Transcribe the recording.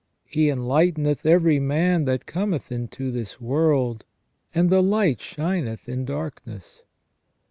He " enlighteneth every man that cometh into this world ; and the light shineth in dark ness